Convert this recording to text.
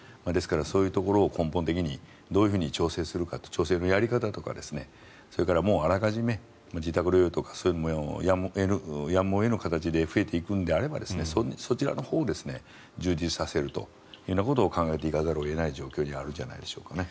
ですから、そういうところをどうやって調整するかという調整のやり方とかそれからあらかじめ自宅療養とかそういうものがやむを得ぬ形で増えていくのであればそちらのほうを充実させるということを考えていかざるを得ない状況にあるんじゃないでしょうか。